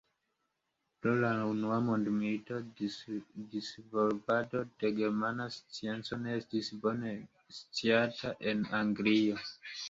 Pro la Unua mondmilito, disvolvado de germana scienco ne estis bone sciata en Anglio.